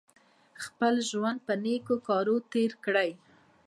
خپل ژوند په نېکو کارونو تېر کړئ.